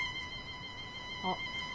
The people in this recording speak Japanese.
あっ。